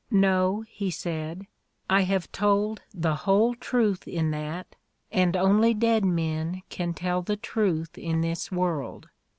'No,' he said. 'I have told, the whole truth in that, and only dead men can tell the truth in this world.